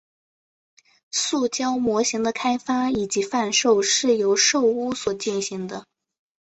塑胶模型的开发以及贩售是由寿屋所进行的。